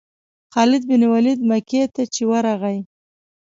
خالد بن ولید مکې ته چې ورغی.